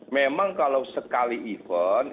memang kalau sekali event